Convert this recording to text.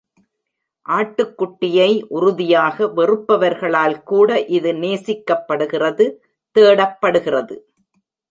ஆட்டுக்குட்டியை உறுதியாக வெறுப்பவர்களால் கூட இது நேசிக்கப்படுகிறது, தேடப்படுகிறது.